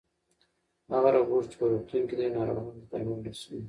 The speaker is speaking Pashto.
هغه روبوټ چې په روغتون کې دی ناروغانو ته درمل رسوي.